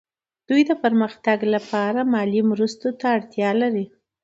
دوی د پرمختګ لپاره مالي مرستو ته اړتیا لري